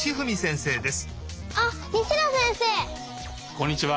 こんにちは。